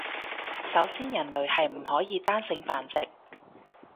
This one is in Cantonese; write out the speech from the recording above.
首先人類係唔可以單性繁殖